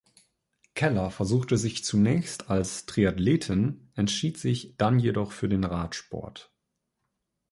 Keller versuchte sich zunächst als Triathletin, entschied sich dann jedoch für den Radsport.